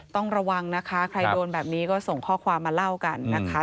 ต้องระวังนะคะใครโดนแบบนี้ก็ส่งข้อความมาเล่ากันนะคะ